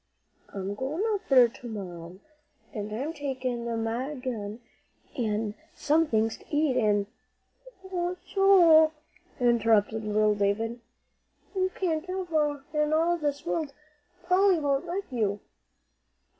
"I'm goin' up there to morrow, an' I'm goin' to take my gun, an' some things to eat, an' " "Oh, Joel!" interrupted little David, "you can't ever in all this world. Polly won't let you."